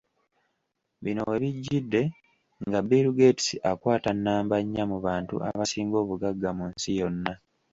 Bino webijjidde nga Bill Gates akwata nnamba nya mu bantu abasinga obugagga mu nsi yonna .